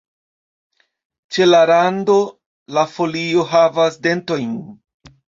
Ĉe la rando la folio havas dentojn.